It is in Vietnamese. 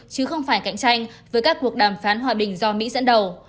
chứ không phải cạnh tranh với các cuộc đàm phán hòa bình do mỹ dẫn đầu